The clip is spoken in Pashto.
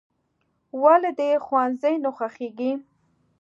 "ولې دې ښوونځی نه خوښېږي؟"